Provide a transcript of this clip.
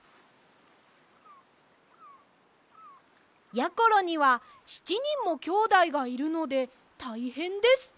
やころには７にんもきょうだいがいるのでたいへんです！